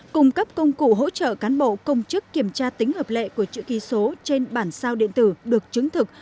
cung cấp công cụ hỗ trợ cán bộ công chức kiểm tra tính hợp lệ của chữ ký số trên bản sao điện tử được chứng thực